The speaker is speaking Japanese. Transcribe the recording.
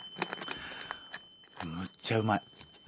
むっちゃうまい。